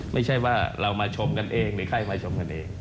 ไม่ใช่ว่าเรามาชมกันเองหรือใครมาชมกันเอง